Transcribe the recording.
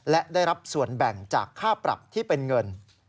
และได้รับส่วนแบ่งจากค่าปรับที่เป็นเงิน